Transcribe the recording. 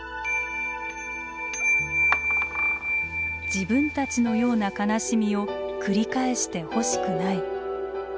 自分たちのような悲しみを繰り返してほしくない。